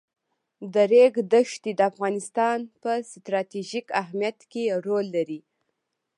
د ریګ دښتې د افغانستان په ستراتیژیک اهمیت کې رول لري.